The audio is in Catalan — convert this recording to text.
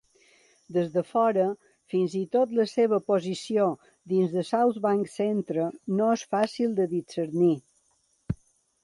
Des de fora, fins i tot la seva posició dins de Southbank Centre no és fàcil de discernir.